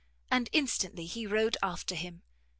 And instantly he rode after him.